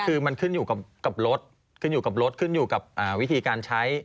คือมันขึ้นอยู่กับรถขึ้นอยู่กับรถขึ้นอยู่กับวิธีการใช้